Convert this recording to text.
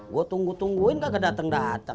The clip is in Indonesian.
gue tunggu tungguin nggak kedaten daten